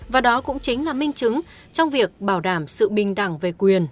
và đó cũng chính là minh chứng trong việc bảo đảm sự bình đẳng về quyền